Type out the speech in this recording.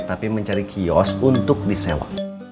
tapi mencari kios untuk disewa